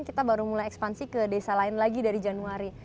kita baru mulai ekspansi ke desa lain lagi dari januari